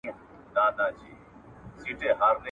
نو یې په برخه چړي پاچا سي `